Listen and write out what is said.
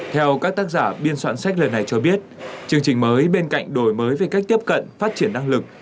theo các tác giả biên soạn sách lần này cho biết chương trình mới bên cạnh đổi mới về cách tiếp cận phát triển năng lực